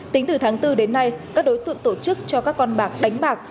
tính từ tháng bốn đến nay các đối tượng tổ chức cho các con bạc đánh bạc